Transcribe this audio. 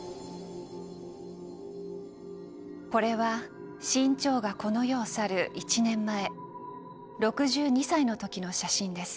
これは志ん朝がこの世を去る１年前６２歳の時の写真です。